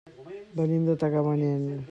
Venim de Tagamanent.